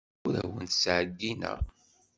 Ur awent-ttɛeyyineɣ.